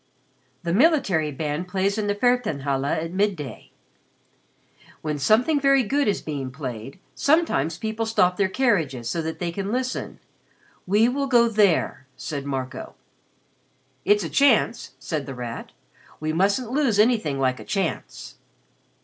"The military band plays in the Feldherrn halle at midday. When something very good is being played, sometimes people stop their carriages so that they can listen. We will go there," said Marco. "It's a chance," said The Rat. "We mustn't lose anything like a chance."